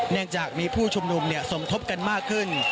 เนื่องจากมีผู้ชุมนุมสมทบกันมากขึ้น